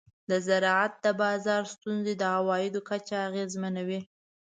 د زراعت د بازار ستونزې د عوایدو کچه اغېزمنوي.